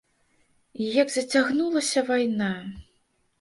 І як зацягнулася вайна!